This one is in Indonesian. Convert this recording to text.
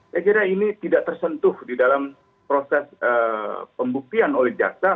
saya kira ini tidak tersentuh di dalam proses pembuktian oleh jaksa